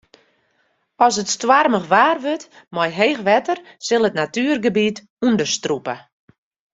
As it stoarmich waar wurdt mei heech wetter sil it natuergebiet ûnderstrûpe.